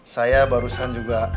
saya barusan juga